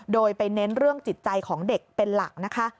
โดยไปเน้นเรื่องจิตใจของเด็กเป็นหลักนะคะ